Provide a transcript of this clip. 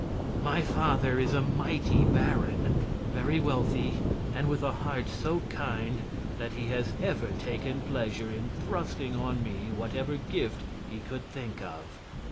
"My father is a mighty baron, very wealthy and with a heart so kind that he has ever taken pleasure in thrusting on me whatever gift he could think of.